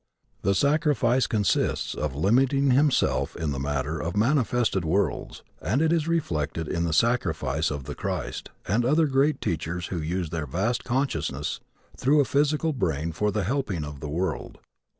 The sacrifice consists of limiting Himself in the matter of manifested worlds and it is reflected in the sacrifice of the Christ and other great teachers who use their vast consciousness through a physical brain for the helping of the world.